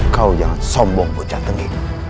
kau yang sombong bocah tegi